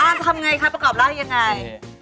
อ้าวทำไงคะประกอบรักยังไง